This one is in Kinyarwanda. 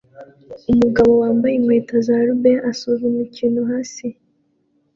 Umugabo wambaye inkweto za rubber asuzuma ikintu hasi